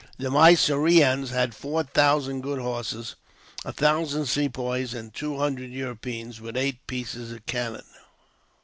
The Mysoreans had four thousand good horse, a thousand Sepoys, and two hundred Europeans, with eight pieces of cannon.